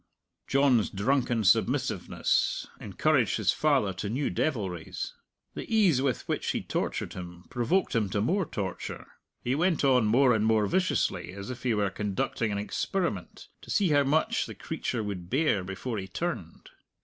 John's drunken submissiveness encouraged his father to new devilries. The ease with which he tortured him provoked him to more torture; he went on more and more viciously, as if he were conducting an experiment, to see how much the creature would bear before he turned.